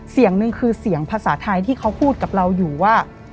เสียงหนึ่งคือเสียงภาษาไทยที่เขาพูดกับเราอยู่ว่า